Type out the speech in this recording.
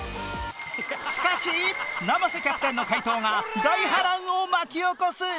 しかし生瀬キャプテンの解答が大波乱を巻き起こす！